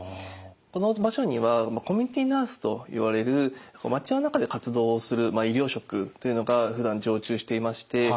この場所にはコミュニティーナースと言われる町の中で活動する医療職というのがふだん常駐していまして。